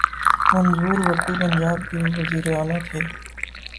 منظور وٹو پنجاب کے وزیر اعلی تھے۔